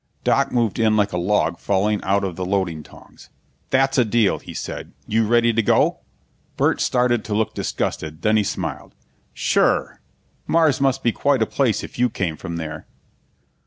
Doc moved in like a log falling out of the loading tongs. "That's a deal," he said. "You ready to go?" Burt started to look disgusted, then he smiled. "Sure. Mars must be quite a place if you came from there."